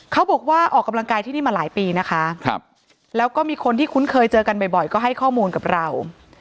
เขาบอกว่าออกกำลังกายที่นี่มาหลายปีนะคะแล้วก็มีคนที่คุ้นเคยเจอกันบ่อยก็ให้ข้อมูลกับเรา